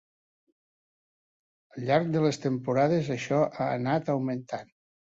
Al llarg de les temporades això ha anat augmentant.